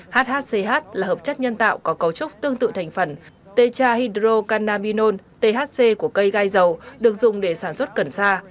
hhch là hợp chất nhân tạo có cấu trúc tương tự thành phần thc của cây gai dầu được dùng để sản xuất cần xa